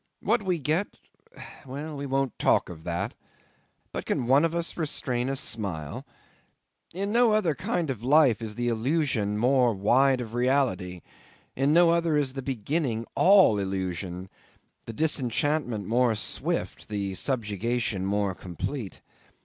What we get well, we won't talk of that; but can one of us restrain a smile? In no other kind of life is the illusion more wide of reality in no other is the beginning all illusion the disenchantment more swift the subjugation more complete.